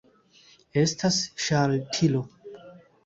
Estas ŝaltilo.